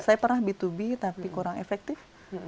saya pernah b dua b tapi kurang efektif